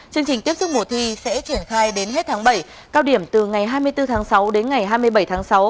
chương trình tiếp sức mùa thi sẽ triển khai đến hết tháng bảy cao điểm từ ngày hai mươi bốn tháng sáu đến ngày hai mươi bảy tháng sáu